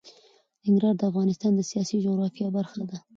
ننګرهار د افغانستان د سیاسي جغرافیه برخه ده.